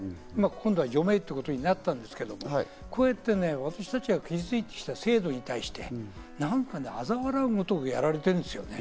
今度は除名ということになったんですけど、こうやって私たちが築いてきた制度に対して、あざ笑うかのごとく、やられている。